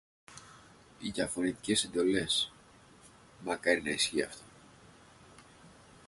Κακομοίρης! Δεν ήξερα τι θα πει χιώτισσα νοικοκυρά